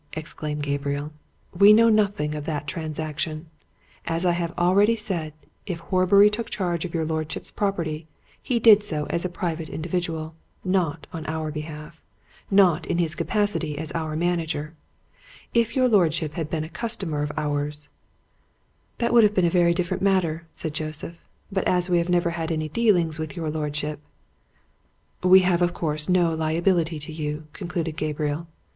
exclaimed Gabriel. "We know nothing of that transaction. As I have already said, if Horbury took charge of your lordship's property, he did so as a private individual, not on our behalf, not in his capacity as our manager. If your lordship had been a customer of ours " "That would have been a very different matter," said Joseph. "But as we have never had any dealings with your lordship " "We have, of course, no liability to you," concluded Gabriel.